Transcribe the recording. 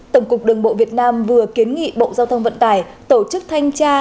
tổng cục đường bộ việt nam vừa kiến nghị bộ giao thông vận tải tổ chức thanh tra